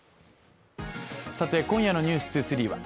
さて今夜の「ｎｅｗｓ２３」は